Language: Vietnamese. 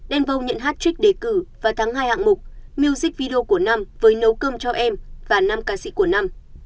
denvau nhận hat trick đề cử và thắng hai hạng mục music video của năm với nấu cơm cho em và năm ca sĩ của năm